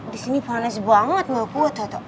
di sini panas banget malu kuat tata